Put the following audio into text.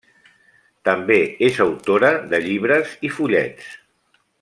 També és autora de llibres i fullets.